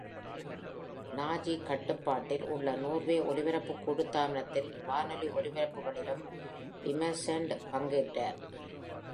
Nazi கட்டுப்பாட்டில் உள்ள Norway ஒலிபரப்புக் கூட்டுத்தாபனத்தில் வானொலி ஒலிபரப்புகளிலும் இமர்ஸ்லண்ட் பங்கேற்றார்.